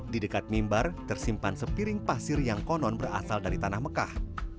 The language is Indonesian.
di dekat mimbar tersimpan sepiring pasir yang konon berasal dari tanah mekah